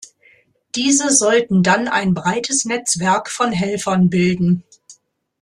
Diese sollten dann ein breites Netzwerk von Helfern bilden.